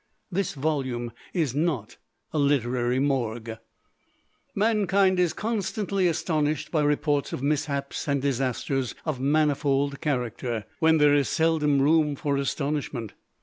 This volume is not a literary morgue. Mankind is constantly astonished by reports of mishaps and disasters of manifold character, when there is seldom room for astonishment.